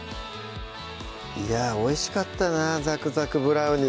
いやぁおいしかったな「ザクザクブラウニー」